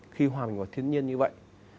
khi hòa bình vào thiên nhiên như vậy